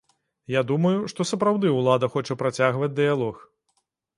Я думаю, што сапраўды ўлада хоча працягваць дыялог.